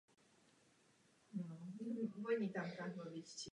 Jako expert se účastnil jednání Druhého vatikánského koncilu.